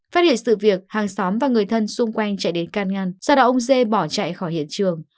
phát hiện sự việc hàng xóm và người thân xung quanh chạy đến can ngăn sau đó ông dê bỏ chạy khỏi hiện trường